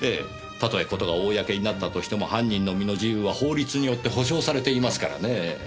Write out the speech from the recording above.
たとえ事が公になったとしても犯人の身の自由は法律によって保障されていますからねぇ。